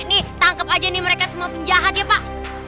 ini tangkep aja nih mereka semua penjahat ya pak